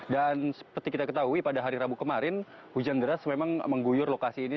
dan seperti kita ketahui pada hari rabu kemarin hujan deras memang mengguyur lokasi ini